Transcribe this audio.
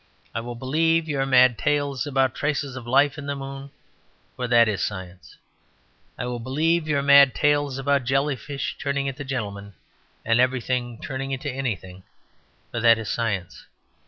I will believe your mad tales about traces of life in the moon; for that is science. I will believe your mad tales about jellyfish turning into gentlemen, and everything turning into anything; for that is science.